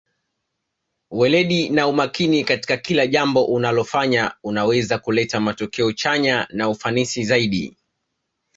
weledi na umakini katika kila jambo unalofanya unaweza kuleta matokeo chanya na ufanisi zaidi